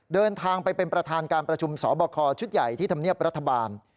เดินทางไปเป็นประธานการประชุมสอบคอชุดใหญ่ที่ธรรมเนียบรัฐบาล